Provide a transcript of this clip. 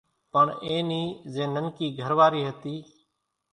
پڻ اين نِي زين ننڪي گھر واري ھتي